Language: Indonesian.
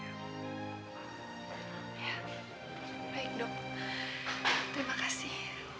ya baik dok terima kasih